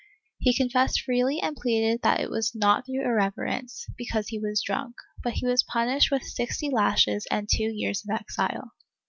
He confessed freely and pleaded that it was not through irreverence, because he was drunk, but he was punished with sixty lashes and two years of exile.